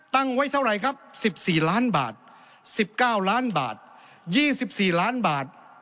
ตั้งไว้เท่าไหร่ครับ๑๔ล้านบาท๑๙ล้านบาท๒๔ล้านบาท